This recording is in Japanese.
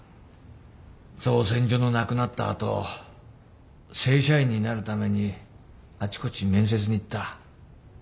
造船所のなくなった後正社員になるためにあちこち面接に行った。